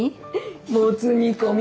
もつ煮込み。